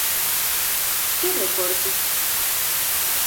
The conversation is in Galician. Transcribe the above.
¿Que recortes?